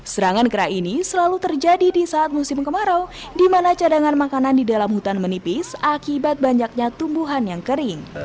serangan kera ini selalu terjadi di saat musim kemarau di mana cadangan makanan di dalam hutan menipis akibat banyaknya tumbuhan yang kering